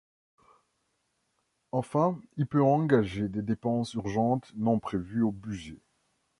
Enfin, il peut engager des dépenses urgentes non prévues au budget.